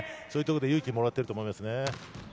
そういうところで勇気をもらっていると思います。